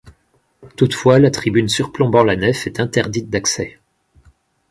Toutefois, la tribune surplombant la nef est interdite d'accès.